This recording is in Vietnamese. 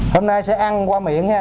hôm nay sẽ ăn qua miệng ha